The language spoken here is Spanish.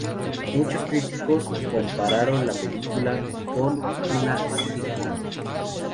Muchos críticos compararon la película con una sitcom.